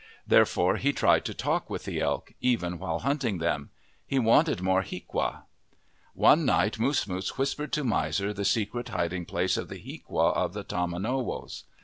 Therefore he tried to talk with the elk, even while hunting them. He wanted more hiaqua. One night Moosmoos whispered to Miser the secret hiding place of the hiaqua of the tomanowos.